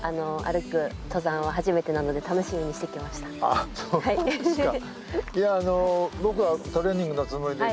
あっそうですか。